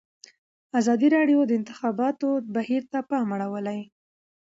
ازادي راډیو د د انتخاباتو بهیر ته پام اړولی.